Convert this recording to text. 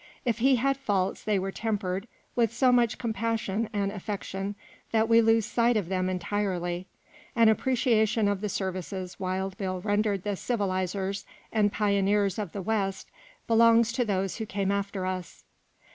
If he had faults they were tempered with so much compassion and affection that we lose sight of them entirely. An appreciation of the services Wild Bill rendered the civilizers and pioneers of the West belongs to those who come after us.